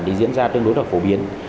thì diễn ra tương đối thật phổ biến